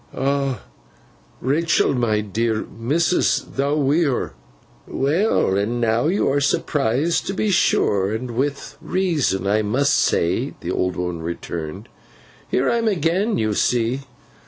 'Ah, Rachael, my dear! Missus, thou wi' her!' 'Well, and now you are surprised to be sure, and with reason I must say,' the old woman returned. 'Here I am again, you see.